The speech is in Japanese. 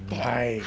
はい。